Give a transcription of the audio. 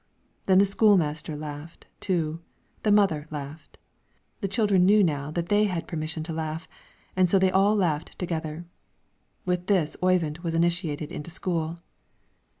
Then the school master laughed, too; the mother laughed; the children knew now that they had permission to laugh, and so they all laughed together. With this Oyvind was initiated into school.